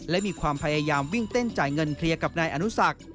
และมีความพยายามวิ่งเต้นจ่ายเงินเคลียร์กับนายอนุสัก